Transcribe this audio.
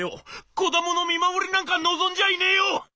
子どもの見守りなんか望んじゃいねえよ！」。